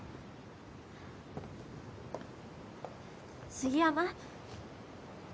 杉山。